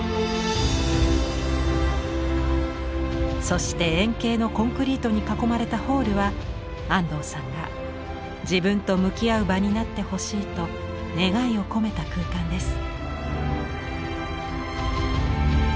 そして円形のコンクリートに囲まれたホールは安藤さんが「自分と向き合う場になってほしい」と願いを込めた空間です。